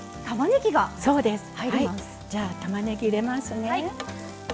じゃあたまねぎ入れますね。